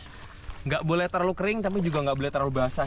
tidak boleh terlalu kering tapi juga nggak boleh terlalu basah